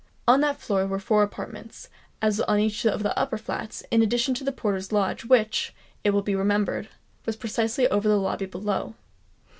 On that floor were four apartments, as on each of the upper flats, in addition to the porter's lodge, which, it will be remembered, was precisely over the lobby below.